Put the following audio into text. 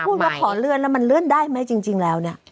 พูดว่าขอเลื่อนแล้วมันเลื่อนได้ไหมจริงแล้วเนี่ย